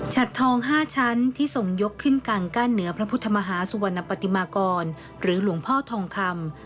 ทอง๕ชั้นที่ทรงยกขึ้นกางกั้นเหนือพระพุทธมหาสุวรรณปฏิมากรหรือหลวงพ่อทองคำ